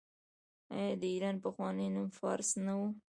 آیا د ایران پخوانی نوم فارس نه و؟